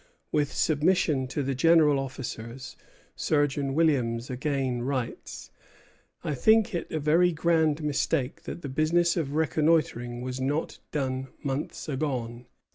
"With submission to the general officers," Surgeon Williams again writes, "I think it a very grand mistake that the business of reconnoitring was not done months agone."